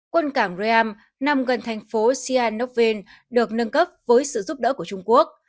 quân cảng ream nằm gần thành phố sihanoukville được nâng cấp với sự giúp đỡ của trung quốc